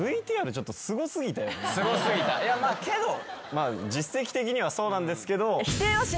まあ実績的にはそうなんですけど。